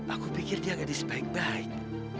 aku pikir dia gadis baik